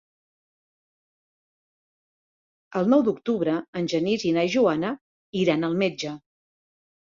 El nou d'octubre en Genís i na Joana iran al metge.